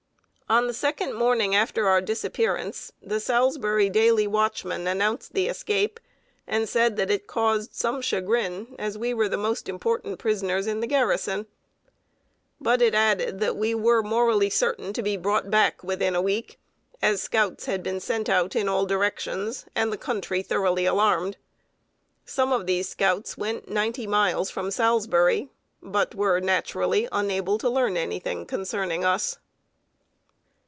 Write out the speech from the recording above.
On the second morning after our disappearance, The Salisbury Daily Watchman announced the escape, and said that it caused some chagrin, as we were the most important prisoners in the garrison. But it added that we were morally certain to be brought back within a week, as scouts had been sent out in all directions, and the country thoroughly alarmed. Some of these scouts went ninety miles from Salisbury, but were naturally unable to learn any thing concerning us.